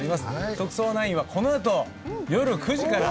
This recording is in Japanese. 『特捜９』はこのあとよる９時から。